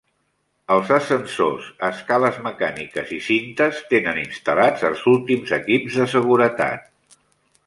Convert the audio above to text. Els ascensors, escales mecàniques i cintes tenen instal·lats els últims equips de seguretat.